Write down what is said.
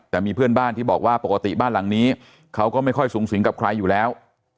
แต่มีเพื่อนบ้านที่บอกว่าปกติบ้านหลังนี้เขาก็ไม่ค่อยสูงสิงกับใครอยู่แล้ว